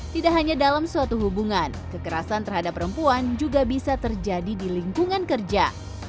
tidak hanya dalam suatu hubungan kekerasan terhadap perempuan juga bisa terjadi di lingkungan kerja